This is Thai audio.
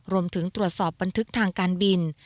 รวมถึงตรวจสอบบันทึกทางการบิน